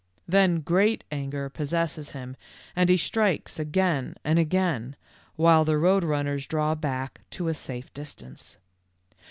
Then great anger possesses him and he strikes again and again, while the Road Eun ners draw back to a safe distance.